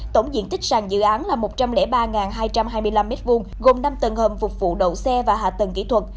tổng diện tích sàn dự án là một trăm linh ba hai trăm hai mươi năm m hai gồm năm tầng hầm phục vụ đậu xe và hạ tầng kỹ thuật